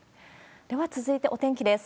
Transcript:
では続いて、お天気です。